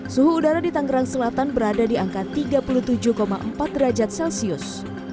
suhu udara di tangerang selatan berada di angka tiga puluh tujuh empat derajat celcius